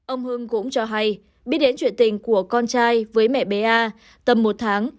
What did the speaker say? ông hưng cũng cho hay biết đến chuyện tình của con trai với mẹ bé a tầm một tháng